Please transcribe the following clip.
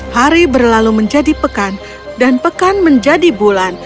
hari berlalu menjadi pekan dan pekan menjadi bulan